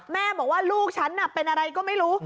แม่บอกว่าลูกฉันเป็นอะไรก็ไม่รู้